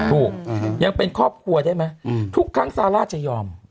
ยังเป็นครอบครัวได้ไหมทุกครั้งซาร่าจะยอม